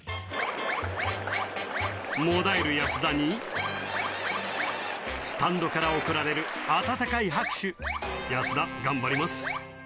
もだえる安田にスタンドから送られる温かい拍手「安田頑張ります」